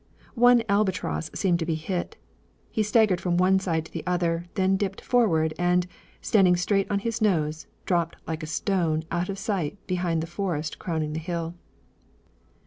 One Albatross seemed to be hit. He staggered from one side to the other, then dipped forward, and, standing straight on his nose, dropped like a stone out of sight behind the forest crowning the hill.